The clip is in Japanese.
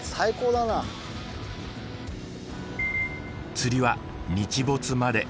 釣りは日没まで。